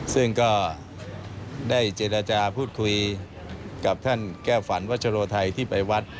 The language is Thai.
ซึ่งก็ได้เจรจาพูดคุยกับท่านแก้วฝันวัชโลไทยที่ไปวัด